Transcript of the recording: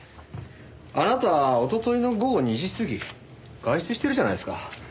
あなた一昨日の午後２時過ぎ外出してるじゃないですか。